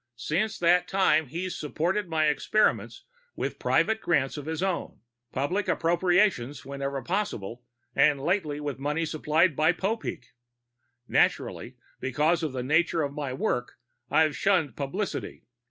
Since that time, he's supported my experiments with private grants of his own, public appropriations whenever possible, and lately with money supplied by Popeek. Naturally, because of the nature of my work I've shunned publicity.